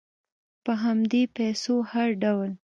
په همدې پیسو هر ډول